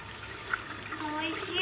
「おいしい！